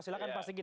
silahkan pak sigit